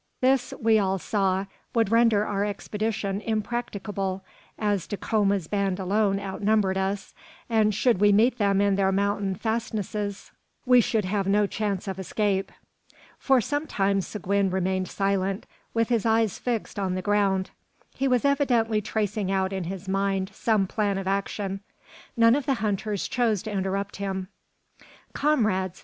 This, we all saw, would render our expedition impracticable, as Dacoma's band alone outnumbered us; and should we meet them in their mountain fastnesses, we should have no chance of escape. For some time Seguin remained silent, with his eyes fixed on the ground. He was evidently tracing out in his mind some plan of action. None of the hunters chose to interrupt him. "Comrades!"